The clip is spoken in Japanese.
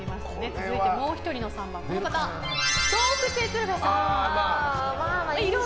続いてもう１人の３番は笑福亭鶴瓶さん。